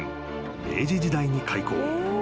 明治時代に開校］